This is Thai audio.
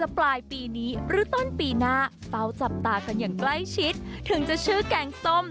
ปลายปีนี้หรือต้นปีหน้าเฝ้าจับตากันอย่างใกล้ชิดถึงจะชื่อแกงต้ม